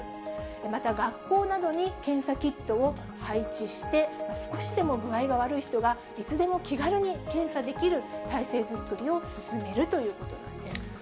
また学校などに検査キットを配置して、少しでも具合が悪い人が、いつでも気軽に検査できる体制作りを進めるということなんです。